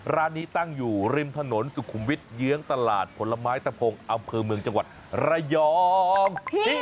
ร้านตั้งอยู่ริมถนนสุขุมวิทยื้องตลาดผลมาศปงอำเภอจังหวัดไรยอง